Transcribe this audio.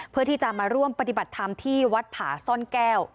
เพื่อที่จะมาร่วมปฏิบัติธรรมที่วัดผาซ่อนแก้ว